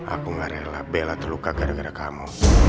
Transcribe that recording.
aku gak rela bela terluka gara gara kamu